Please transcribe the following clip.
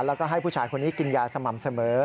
แล้วก็ให้ผู้ชายคนนี้กินยาสม่ำเสมอ